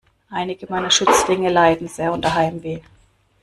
Einige meiner Schützlinge leiden sehr unter Heimweh.